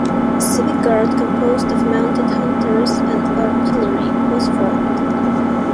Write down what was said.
A civic guard, composed of mounted hunters and artillery, was formed.